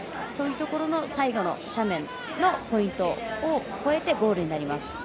そういうところの最後の斜面のポイントを越えてゴールになります。